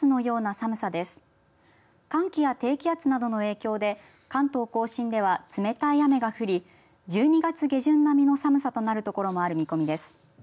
寒気や低気圧などの影響で関東甲信では、冷たい雨が降り１２月下旬並みの寒さとなる所もある見込みです。